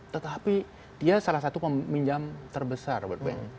tetapi dia salah satu peminjam terbesar world bank